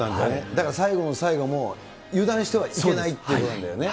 だから最後の最後も、油断してはいけないということなんだよね。